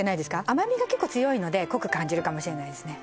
甘みが結構強いので濃く感じるかもしれないですね